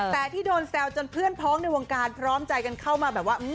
แต่ที่โดนแซวจนเพื่อนพ้องในวงการพร้อมใจกันเข้ามาแบบว่า